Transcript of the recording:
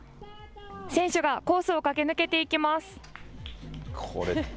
選手がコースを駆け抜けていきます。